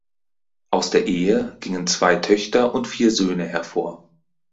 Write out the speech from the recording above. Aus der Ehe gingen zwei Töchter und vier Söhne hervor.